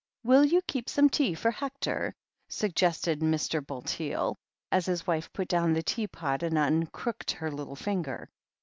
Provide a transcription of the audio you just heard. "Will you keep some tea for Hector?" suggested Mr. Bulteel, as his wife put down the teapot and un crooked her little finger.